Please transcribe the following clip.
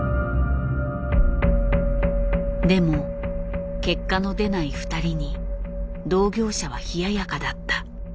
でも結果の出ない２人に同業者は冷ややかだった。